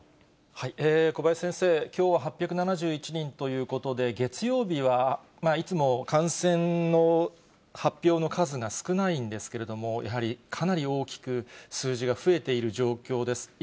小林先生、きょうは８７１人ということで、月曜日は、いつも感染の発表の数が少ないんですけれども、やはりかなり大きく、数字が増えている状況です。